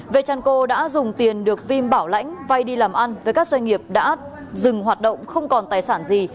vechanco đã dùng tiền được vinm bảo lãnh vay đi làm ăn với các doanh nghiệp đã dừng hoạt động không còn tài sản gì